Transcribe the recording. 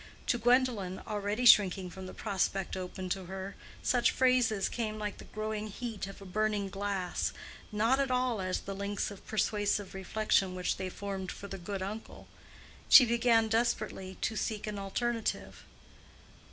To Gwendolen, already shrinking from the prospect open to her, such phrases came like the growing heat of a burning glass—not at all as the links of persuasive reflection which they formed for the good uncle. She began, desperately, to seek an alternative.